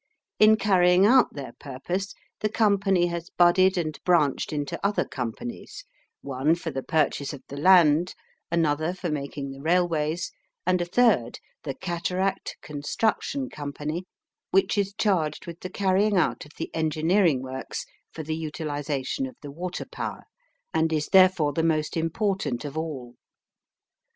In carrying out their purpose the company has budded and branched into other companies one for the purchase of the land; another for making the railways; and a third, the Cataract Construction Company, which is charged with the carrying out of the engineering works, for the utilisation of the water power, and is therefore the most important of all.